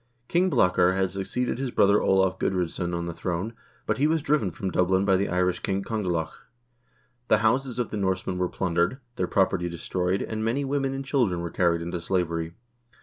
King Blakar had succeeded his brother Olav Gudr0ds son on the throne, but he was driven from Dublin by the Irish king Congelach. The houses of the Norsemen were plundered, their property destroyed, and many women and children were carried into slavery.